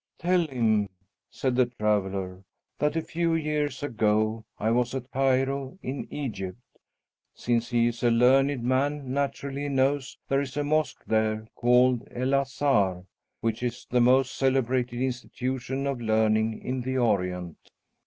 "Tell him," said the traveller, "that a few years ago I was at Cairo, in Egypt. Since he is a learned man, naturally he knows there is a mosque there, called El Azhar, which is the most celebrated institution of learning in the Orient.